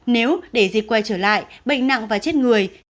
nếu để dịch quay trở lại bệnh nặng và chết người